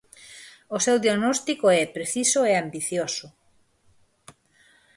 O seu diagnóstico é preciso e ambicioso.